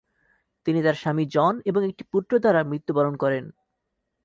তিনি তার স্বামী জন এবং একটি পুত্র দ্বারা মৃত্যবরন করেন।